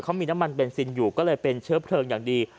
เขามีน้ำมันเบนซินอยู่ก็เลยเป็นเชื้อเพลิงอย่างดี